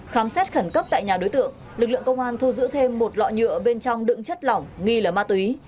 khám xét khẩn cấp tại nhà đối tượng lực lượng công an thu giữ thêm một lọ nhựa bên trong đựng chất lỏng nghi là ma túy